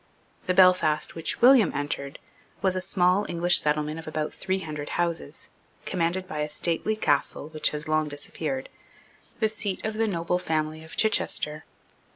The Belfast which William entered was a small English settlement of about three hundred houses, commanded by a stately castle which has long disappeared, the seat of the noble family of Chichester.